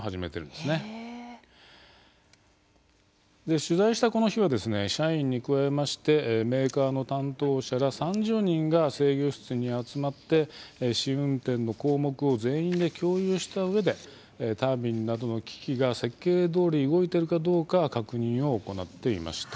で取材したこの日はですね社員に加えましてメーカーの担当者ら３０人が制御室に集まって試運転の項目を全員で共有した上でタービンなどの機器が設計どおり動いてるかどうか確認を行っていました。